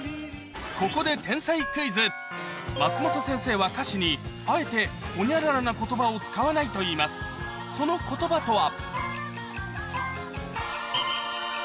ここで松本先生は歌詞にあえてホニャララな言葉を使わないといいますその言葉とは？